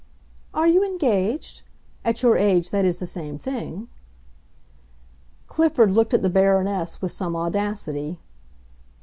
"Are you engaged? At your age that is the same thing." Clifford looked at the Baroness with some audacity.